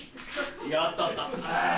やったあった。